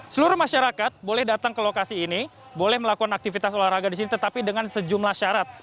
seluruh masyarakat boleh datang ke lokasi ini boleh melakukan aktivitas olahraga di sini tetapi dengan sejumlah syarat